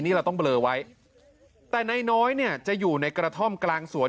นี่เราต้องเบลอไว้แต่นายน้อยเนี่ยจะอยู่ในกระท่อมกลางสวน